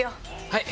はい。